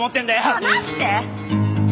離して！